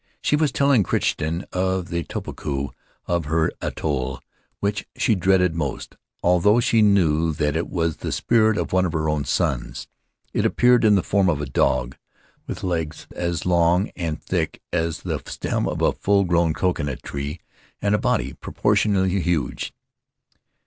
She was telling Crichton of the tupapaku of her atoll which she dreaded most, although she knew that it was the spirit of one of her own sons. It appeared in the form of a dog with legs as long and thick as the stem of a full grown coconut tree, and a body propor tionally huge.